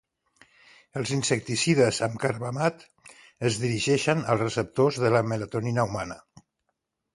Els insecticides amb carbamat es dirigeixen als receptors de la melatonina humana.